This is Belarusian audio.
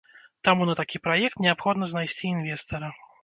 Таму на такі праект неабходна знайсці інвестара.